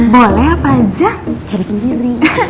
boleh apa aja cari sendiri